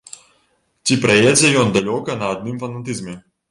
Ці праедзе ён далёка на адным фанатызме?